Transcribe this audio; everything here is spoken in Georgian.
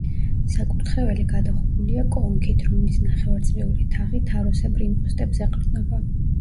საკურთხეველი გადახურულია კონქით, რომლის ნახევარწრიული თაღი თაროსებრ იმპოსტებს ეყრდნობა.